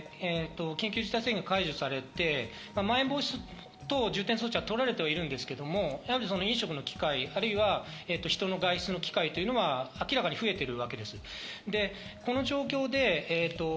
緊急事態宣言が解除されて、まん延防止等重点措置は取られていますが、飲食の機会、あるいは人の外出の機会というのは明らかに増えているわけです。